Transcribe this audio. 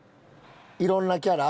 いろんなキャラ。